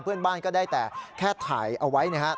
เพื่อนบ้านก็ได้แต่แค่ถ่ายเอาไว้นะฮะ